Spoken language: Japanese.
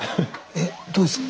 えっどうですか？